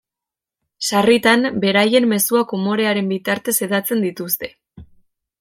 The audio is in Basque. Sarritan beraien mezuak umorearen bitartez hedatzen dituzte.